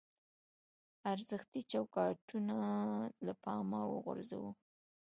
ارزښتي چوکاټونه له پامه وغورځوو.